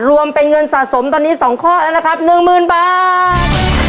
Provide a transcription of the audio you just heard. รวมเป็นเงินสะสมตอนนี้๒ข้อแล้วนะครับ๑๐๐๐บาท